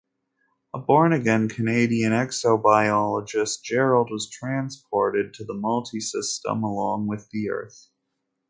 A born-again Canadian exobiologist, Gerald was transported to the Multisystem along with the Earth.